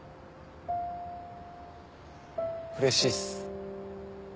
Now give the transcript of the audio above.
うれしいっす。